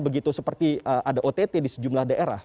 begitu seperti ada ott di sejumlah daerah